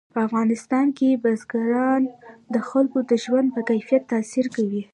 په افغانستان کې بزګان د خلکو د ژوند په کیفیت تاثیر کوي.